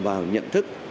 vào nhận thức